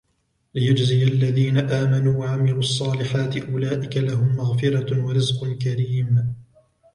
ليجزي الذين آمنوا وعملوا الصالحات أولئك لهم مغفرة ورزق كريم